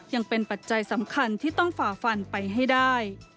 ยังเป็นปัจจัยสำคัญที่ต้องฝ่าฟันไปให้ได้